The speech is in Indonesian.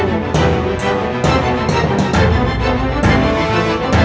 biar kan saja